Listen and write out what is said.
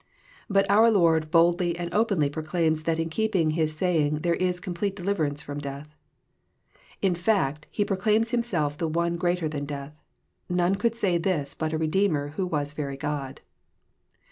But our Lord boldly and openly proclaims that in keeping His saying there is complete deliverance f^om death. In fact, He pro claims Himself the One greater than death. None could say this but a Redeemer who was very God.